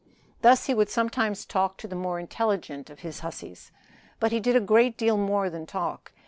Thus he would sometimes talk to the more intelligent of his hussies; but he did a great deal more than talk.